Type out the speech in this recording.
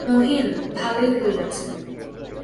মহিন, ভালোই হইয়াছে।